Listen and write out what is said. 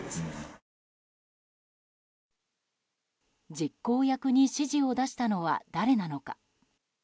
実行役に指示を出したのは誰なのか。